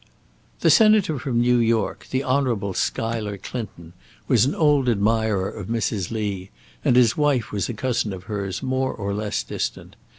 The Senator from New York, the Honourable Schuyler Clinton, was an old admirer of Mrs. Lee, and his wife was a cousin of hers, more or less distant.